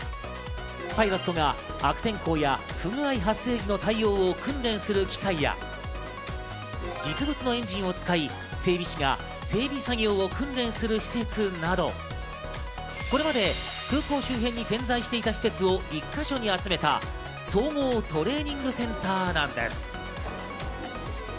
パイロットが悪天候や不具合発生時の対応を訓練する機械や、実物のエンジンを使い、整備士が整備作業を訓練する施設など、これまで空港周辺に点在していた施設を１か所に集めた総合トレーニングセンターなんです。